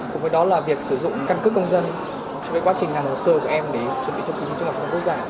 cùng với đó là việc sử dụng căn cứ công dân trong quá trình làm hồ sơ của em để chuẩn bị cho kỳ thi trung học phổ thông quốc gia